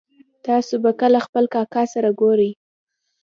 تاسو به کله خپل کاکا سره ګورئ